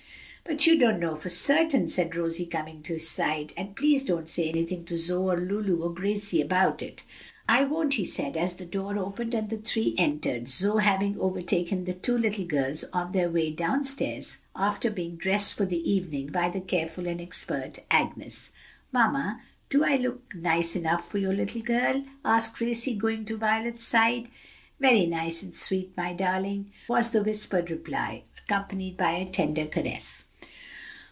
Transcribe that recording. "But you don't know for certain," said Rosie, coming to his side, "and please don't say anything to Zoe, or Lulu, or Gracie about it." "I won't," he said, as the door opened and the three entered, Zoe having overtaken the two little girls on their way down stairs after being dressed for the evening by the careful and expert Agnes. "Mamma, do I look nice enough for your little girl?" asked Gracie, going to Violet's side. "Very nice and sweet, my darling," was the whispered reply, accompanied by a tender caress.